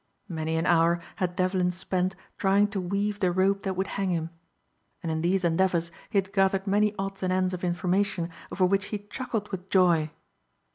Many an hour had Devlin spent trying to weave the rope that would hang him. And in these endeavors he had gathered many odds and ends of information over which he chuckled with joy.